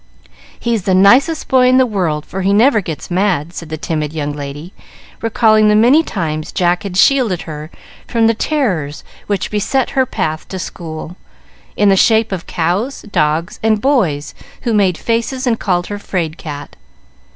"He's the nicest boy in the world, for he never gets mad," said the timid young lady, recalling the many times Jack had shielded her from the terrors which beset her path to school, in the shape of cows, dogs, and boys who made faces and called her "'Fraid cat."